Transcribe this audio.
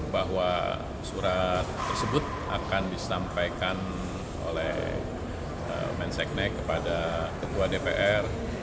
bahwa surat tersebut akan disampaikan oleh menseknek kepada ketua dpr